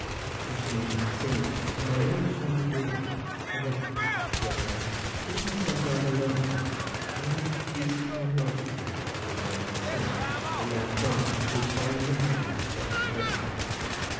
I continued single till my English family grew up and left me, when feeling myself rather lonely I married a decent young Welshwoman, by whom I had one son, the lad John, who is following behind with his dog Joe.